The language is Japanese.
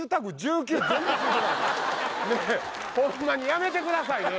やめてくださいね